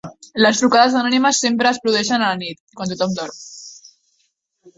Les trucades anònimes sempre es produeixen a la nit, quan tothom dorm.